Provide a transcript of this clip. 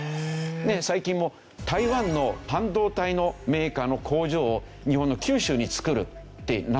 最近も台湾の半導体のメーカーの工場を日本の九州に作るってなったでしょ。